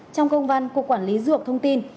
trong công văn cục quản lý dược thông tin